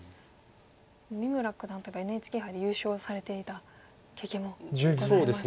三村九段といえばＮＨＫ杯で優勝されていた経験もございますが。